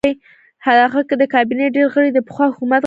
د هغه د کابینې ډېر غړي د پخوا حکومت غړي وو.